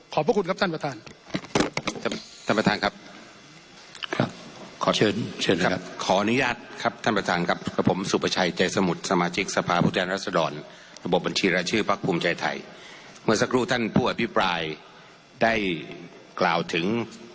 ขอบพบคุณครับท่านประธาน